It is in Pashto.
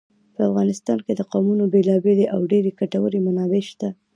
په افغانستان کې د قومونه بېلابېلې او ډېرې ګټورې منابع شته.